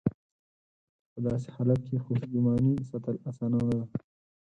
په داسې حالت کې خوشګماني ساتل اسانه نه ده.